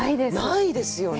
ないですよね。